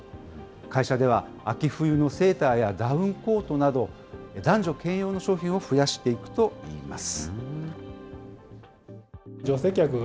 会社では秋冬のセーターやダウンコートなど、男女兼用の商品を増やしていくといいます。